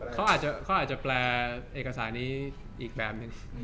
เขาอาจจะแปลเอกสารนี้อีกแบบหนึ่ง